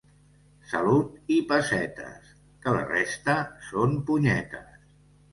Salut i pessetes, que la resta són punyetes.